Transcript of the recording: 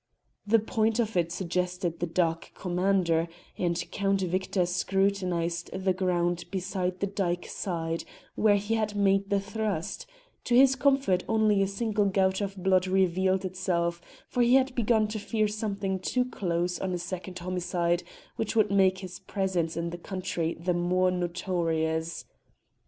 The point of it suggested the dark commander, and Count Victor scrutinised the ground beside the dyke side where he had made the thrust: to his comfort only a single gout of blood revealed itself, for he had begun to fear something too close on a second homicide, which would make his presence in the country the more notorious.